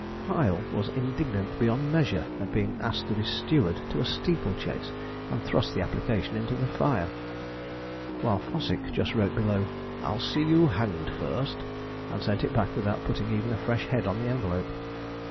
Fyle was indignant beyond measure at being asked to be steward to a steeple chase, and thrust the application into the fire; while Fossick just wrote below, 'I'll see you hanged first,' and sent it back without putting even a fresh head on the envelope.